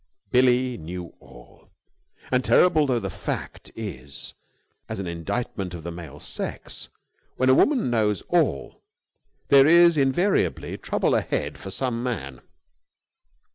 Billie knew all. And, terrible though the fact is as an indictment of the male sex, when a woman knows all, there is invariably trouble ahead for some man.